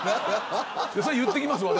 それは言っていきますよ